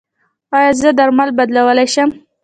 ایا زه درمل بدلولی شم؟